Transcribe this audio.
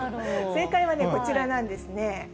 正解はこちらなんですね。